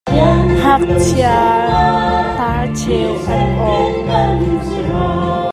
Siangngakchia hnarcheu an awng.